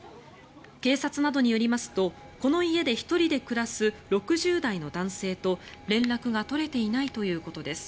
警察などによりますとこの家で１人で暮らす６０代の男性と連絡が取れていないということです。